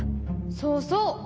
そうそう。